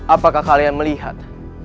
apakah kalian melihat